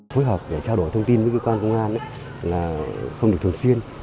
phối hợp để trao đổi thông tin với cơ quan công an là không được thường xuyên